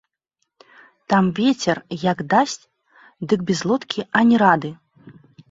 Там вецер, як дасць, дык без лодкі ані рады!